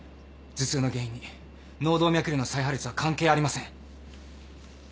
頭痛の原因に脳動脈瘤の再破裂は関係ありません。